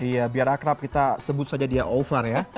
iya biar akrab kita sebut saja dia over ya